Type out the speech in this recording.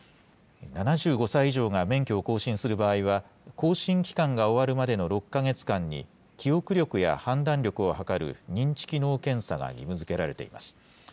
７５歳以上が免許を更新する場合は、更新期間が終わるまでの６か月間に、記憶力や判断力をはかる認知機能検査が義務づけられています。